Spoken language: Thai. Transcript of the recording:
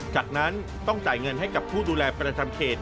จากนั้นต้องจ่ายเงินให้กับผู้ดูแลประจำเขต